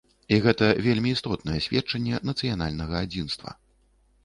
І гэта вельмі істотнае сведчанне нацыянальнага адзінства.